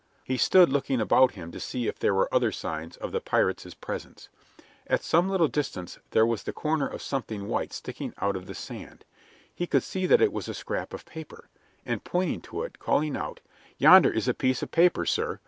He stood looking about him to see if there were other signs of the pirates' presence. At some little distance there was the corner of something white sticking up out of the sand. He could see that it was a scrap of paper, and he pointed to it, calling out: "Yonder is a piece of paper, sir.